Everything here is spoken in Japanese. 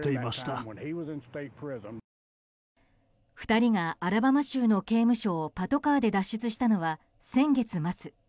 ２人がアラバマ州の刑務所をパトカーで脱出したのは先月末。